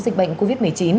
dịch bệnh covid một mươi chín